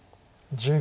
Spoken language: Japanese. １０秒。